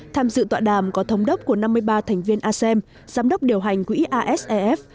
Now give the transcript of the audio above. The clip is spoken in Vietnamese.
tham dự tọa đàm có thống đốc của năm mươi ba thành viên asem giám đốc điều hành quỹ asef